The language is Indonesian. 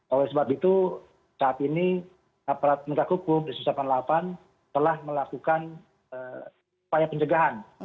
oleh sebab itu saat ini menteri kupu di tahun dua ribu delapan telah melakukan penjagaan